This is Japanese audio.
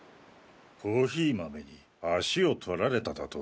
コーヒー豆に足をとられただと？